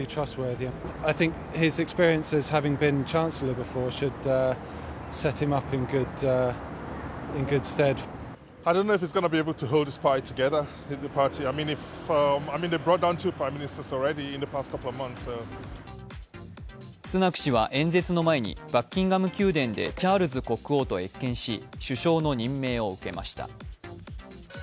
スナク氏は演説の前にバッキンガム宮殿でチャールズ国王と謁見し首相の任命を受けました。